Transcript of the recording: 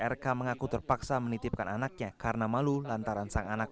rk mengaku terpaksa menitipkan anaknya karena malu lantaran sang anak